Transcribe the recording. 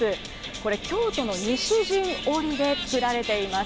これ、京都の西陣織で作られています。